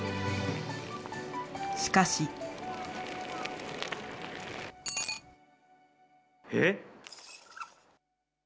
しかし。えっ？